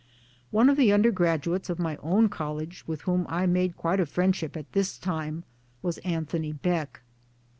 One of the undergraduates of my own College with whom I made quite a friendship at this time was jAnthony Beck.